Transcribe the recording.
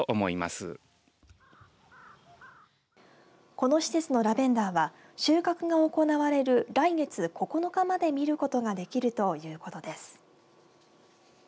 この施設のラベンダーは収穫が行われる来月９日まで見ることができるということです。